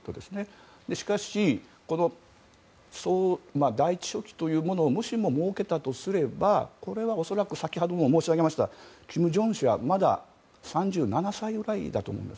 しかし、第１書記というものを設けたとすればこれは恐らく先ほど申し上げましたが金正恩氏はまだ３７歳ぐらいだと思うんです。